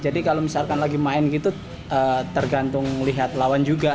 jadi kalau misalkan lagi main gitu tergantung lihat lawan juga